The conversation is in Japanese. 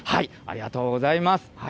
ありがとうございます。